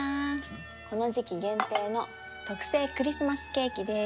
この時期限定の特製クリスマスケーキです。